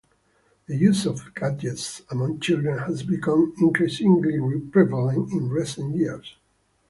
The use of gadgets among children has become increasingly prevalent in recent years.